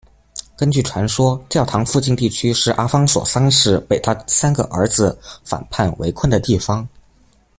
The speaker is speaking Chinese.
根据传说，教堂附近地区是阿方索三世被他三个儿子反叛围困的地方。